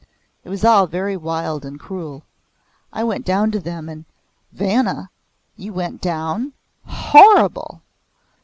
It was all very wild and cruel. I went down to them " "Vanna you went down? Horrible!"